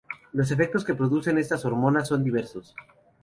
Los efectos que producen estas hormonas son diversos.